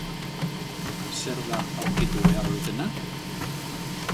Zer da aurkitu behar dutena?